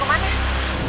mas gafin mau kemana